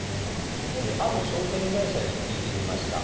ある証券会社に聞いてみました。